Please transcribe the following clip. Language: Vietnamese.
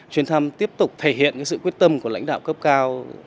chuyến thăm tiếp tục thể hiện sự quyết tâm của lãnh đạo cấp cao